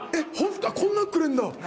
こんなのくれるんだ。